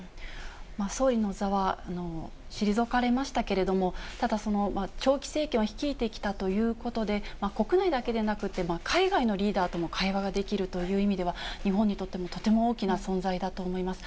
総理の座は退かれましたけれども、ただ、長期政権を率いてきたということで、国内だけでなくて、海外のリーダーとも会話ができるという意味では、日本にとってもとても大きな存在だと思います。